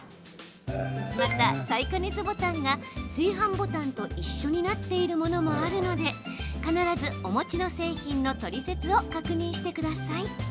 また、再加熱ボタンが炊飯ボタンと一緒になっているものもあるので必ずお持ちの製品のトリセツを確認してください。